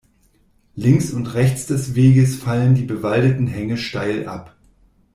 Links und rechts des Weges fallen die bewaldeten Hänge steil ab.